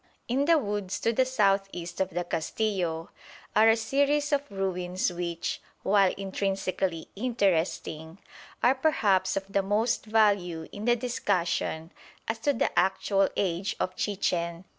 In the woods to the south east of the Castillo are a series of ruins which, while intrinsically interesting, are perhaps of most value in the discussion as to the actual age of Chichen.